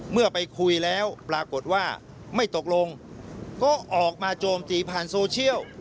เมื่อไปคุยแล้วปรากฏว่าไม่ตกลงก็ออกมาโจมตีผ่านโซเชียล